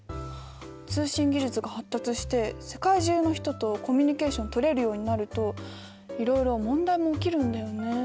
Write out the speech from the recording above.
通信技術が発達して世界中の人とコミュニケーションとれるようになるといろいろ問題も起きるんだよね。